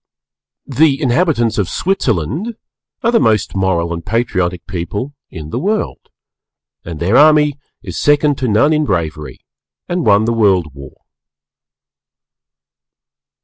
_The inhabitants of Switzerland are the most Moral and Patriotic people in the World and their army is second to none in bravery and won the World War.